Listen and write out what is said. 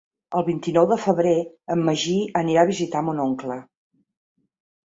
El vint-i-nou de febrer en Magí anirà a visitar mon oncle.